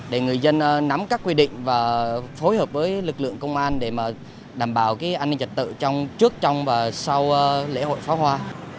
để người dân nắm các quy định và phối hợp với lực lượng công an để đảm bảo an ninh trật tự trong trước trong và sau lễ hội pháo hoa